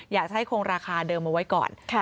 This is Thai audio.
อยากจะให้คงราคาเดิมเอาไว้ก่อน